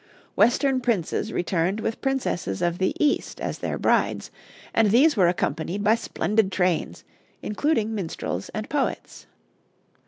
Western princes returned with princesses of the East as their brides, and these were accompanied by splendid trains, including minstrels and poets.